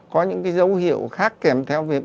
có những cái dấu hiệu khác kèm theo việc